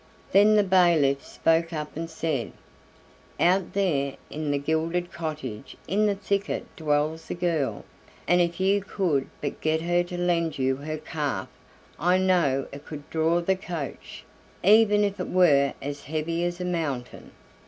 Then the bailiff spoke up and said: "Out there in the gilded cottage in the thicket dwells a girl, and if you could but get her to lend you her calf I know it could draw the coach, even if it were as heavy as a mountain."